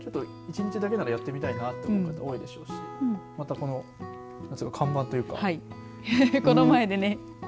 ちょっと１日だけならやってみたいなと思う方多いでしょうしまた看板というか、この前でね